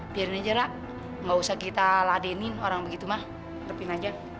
biarin aja nak gak usah kita ladenin orang begitu mah terpin aja